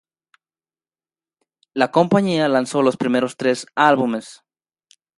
La compañía lanzó los primeros tres álbumes.